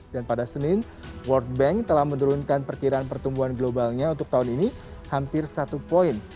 dan pada senin world bank telah menurunkan perkiraan pertumbuhan globalnya untuk tahun ini hampir satu poin